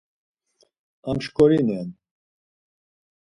Amşkorinen.